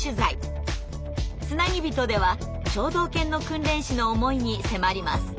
「つなぎびと」では聴導犬の訓練士の思いに迫ります。